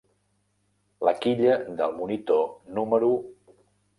La quilla del Monitor núm.